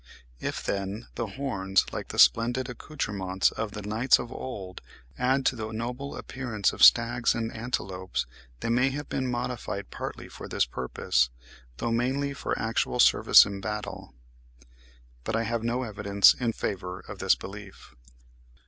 If, then, the horns, like the splendid accoutrements of the knights of old, add to the noble appearance of stags and antelopes, they may have been modified partly for this purpose, though mainly for actual service in battle; but I have no evidence in favour of this belief.